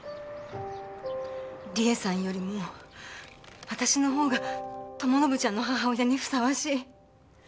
理恵さんよりも私のほうが友宣ちゃんの母親にふさわしい。